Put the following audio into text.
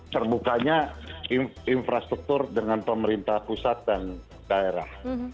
terbukanya infrastruktur dengan pemerintah pusat dan daerah